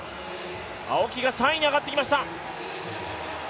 青木が３位に上がってきました。